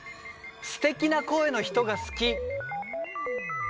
「すてきな声の人が好き」。